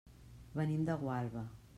Venim de Gualba.